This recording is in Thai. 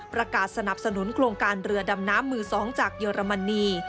สนับสนุนโครงการเรือดำน้ำมือ๒จากเยอรมนี